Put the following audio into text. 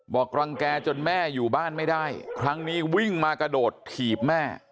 รังแก่จนแม่อยู่บ้านไม่ได้ครั้งนี้วิ่งมากระโดดถีบแม่